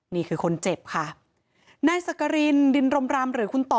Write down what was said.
นี่คือคนเจ็บค่ะนายสักกรินดินรมรำหรือคุณต่อ